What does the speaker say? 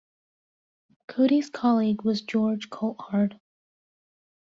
Coady's colleague was George Coulthard.